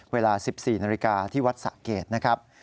เวลา๑๔นาฬิกาที่วัดสะเกดนะครับ